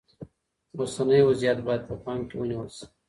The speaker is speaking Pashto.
اوسنی وضعیت باید په پام کې ونیول شي.